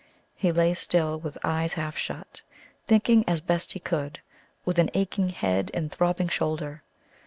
He lay still, with eyes half shut, thinking as best he could, with an aching head and throbbing shoulder.